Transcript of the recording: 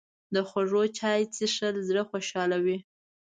د خوږ چای څښل زړه خوشحالوي